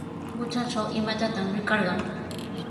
Qutratraw, ¿imatataq rikarqan?